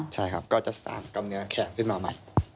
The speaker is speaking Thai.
ใช่ครับก็จะต่างกำเนื้อแขกขึ้นมาใหม่